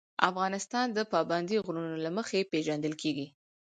افغانستان د پابندی غرونه له مخې پېژندل کېږي.